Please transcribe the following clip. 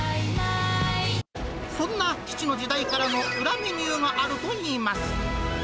そんな父の時代からの裏メニューがあるといいます。